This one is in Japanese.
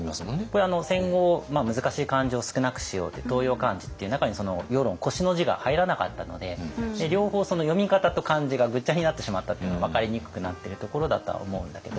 これ戦後難しい漢字を少なくしようって当用漢字っていう中に輿論「輿」の字が入らなかったので両方読み方と漢字がグッチャになってしまったっていうのが分かりにくくなってるところだとは思うんだけど。